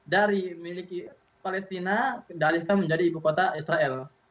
dari miliki palestina dan alihkan menjadi ibu kota israel